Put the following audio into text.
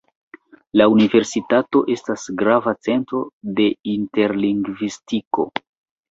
La universitato estas grava centro de interlingvistiko.